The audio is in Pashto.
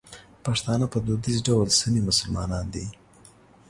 پښتانه په دودیز ډول سني مسلمانان دي.